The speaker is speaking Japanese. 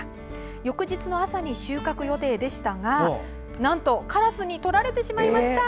翌日の朝に収穫予定でしたがなんとカラスにとられてしまいました。